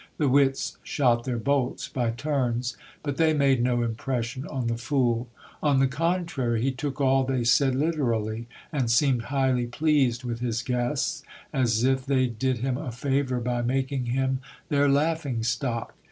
The wits shot their bolts by turns, but they made no impression on the fool ; on the contrary, he took all they said literally, and seemed highly pleased with his guests, as if they did him a favour by making him their laughing stock.